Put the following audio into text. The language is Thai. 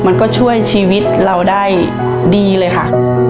มันก็ช่วยชีวิตเราได้ดีเลยค่ะ